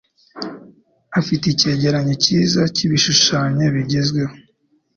Afite icyegeranyo cyiza cyibishushanyo bigezweho.